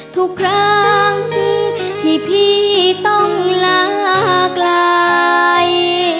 ทุกครั้งที่พี่ต้องลาไกล